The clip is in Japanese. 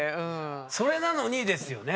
それなのにですよね。